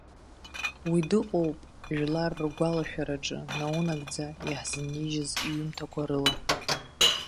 Уи дыҟоуп жәлар ргәалашәараҿы, наунагӡа, иаҳзынижьыз иҩымҭақәа рыла.